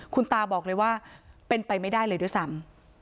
คุณตาบอกเลยว่าเป็นไปไม่ได้เลยด้วยซ้ำ